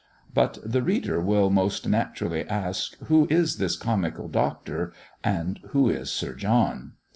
_" But the reader will most naturally ask, Who is this comical doctor, and who is Sir John?